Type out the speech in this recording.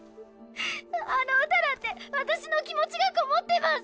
あの歌だってわたしの気持ちがこもってます！